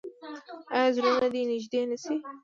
آیا زړونه دې نږدې نشي؟